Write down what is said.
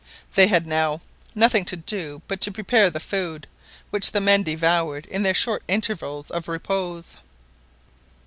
They had now nothing to do but to prepare the food, which the men devoured in their short intervals of repose.